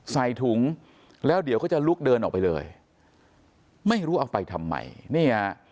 ใส่ถุงแล้วเดี๋ยวเขาจะลุกเดินออกไปเลยไม่รู้เอาไปทำไมนี่ฮะ